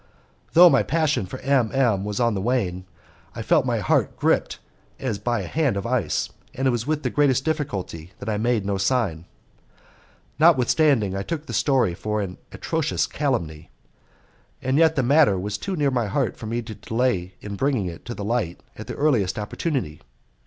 Though my passion for M M was on the wane, I felt my heart gripped as by a hand of ice, and it was with the greatest difficulty that I made no sign. Notwithstanding, I took the story for an atrocious calumny, but yet the matter was too near my heart for me to delay in bringing it to light at the earliest opportunity.